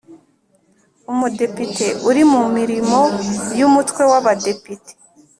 Umudepite uri mu mirimo y Umutwe w Abadepite